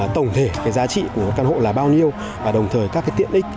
tổng thể cái giá trị của căn hộ là bao nhiêu và đồng thời các cái tiện ích